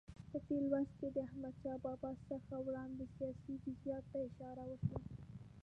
په تېر لوست کې د احمدشاه بابا څخه وړاندې سیاسي جزئیاتو ته اشاره وشوه.